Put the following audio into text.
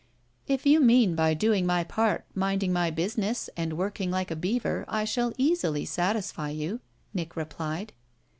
"If you mean by doing my part minding my business and working like a beaver I shall easily satisfy you," Nick replied.